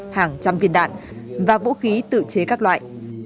hàng trăm viên đạn và vũ khí tự chế các loại